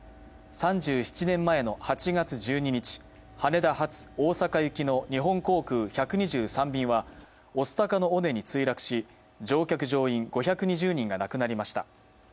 ３７年前の８月１２日羽田発・大阪行きの日本航空１２３便は御巣鷹の尾根に墜落し乗客・乗員５２０人が亡くなりました。